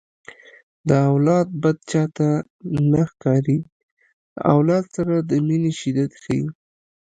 د اولاد بد چاته نه ښکاري د اولاد سره د مینې شدت ښيي